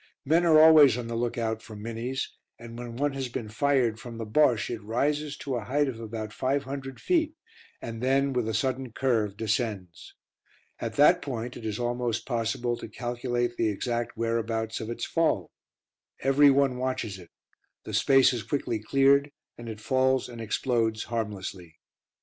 Men are always on the look out for "Minnies," and when one has been fired from the Bosche it rises to a height of about five hundred feet, and then with a sudden curve descends. At that point it is almost possible to calculate the exact whereabouts of its fall. Everyone watches it; the space is quickly cleared, and it falls and explodes harmlessly.